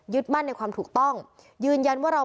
มั่นในความถูกต้องยืนยันว่าเรา